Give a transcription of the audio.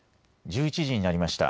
１１時になりました。